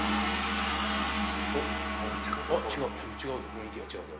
雰囲気が違うぞ。